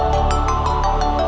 ku tebas lehermu